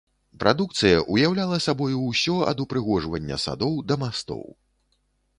Прадукцыя ўяўляла сабою ўсё, ад упрыгожвання садоў да мастоў.